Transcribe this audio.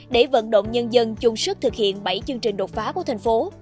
để vận động nhân dân chung sức thực hiện bảy chương trình đột phá của thành phố